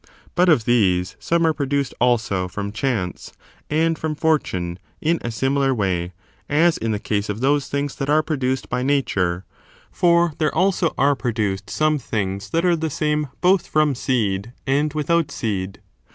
But of these some are produced, also, frx>m chance and from fortune in a similar way, as in the case of those things that are produced by Nature ; for there also are produced some things that are the same both from seed and without seed.